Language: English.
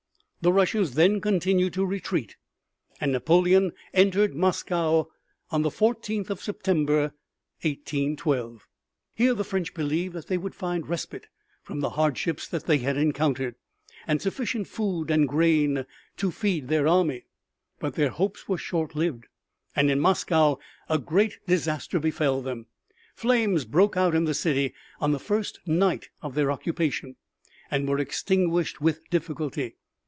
The Russians then continued to retreat and Napoleon entered Moscow on the Fourteenth of September, 1812. Here the French believed that they would find respite from the hardships that they had encountered, and sufficient food and grain to feed their army. But their hopes were short lived, and in Moscow a great disaster befell them. Flames broke out in the city on the first night of their occupation, and were extinguished with difficulty.